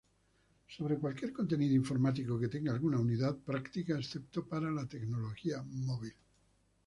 Sobre cualquier contenido informático que tenga alguna utilidad práctica excepto para la tecnología móvil.